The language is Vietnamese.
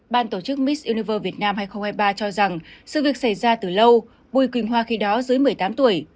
ban tổ chức miss univer việt nam hai nghìn hai mươi ba cho rằng sự việc xảy ra từ lâu bùi quỳnh hoa khi đó dưới một mươi tám tuổi